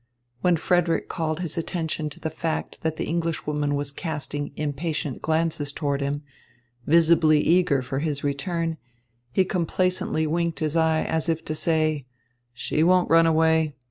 When Frederick called his attention to the fact that the Englishwoman was casting impatient glances toward him, visibly eager for his return, he complacently winked his eye as if to say: "She won't run away.